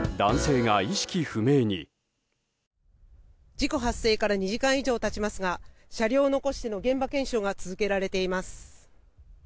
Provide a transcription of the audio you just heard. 事故発生から２時間以上経ちますが車両を残しての現場検証が続けられています。